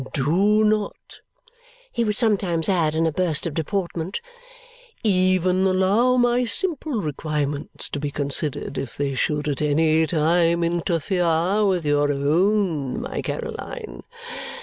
Do not," he would sometimes add in a burst of deportment, "even allow my simple requirements to be considered if they should at any time interfere with your own, my Caroline.